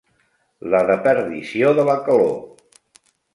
La deperdició de la calor.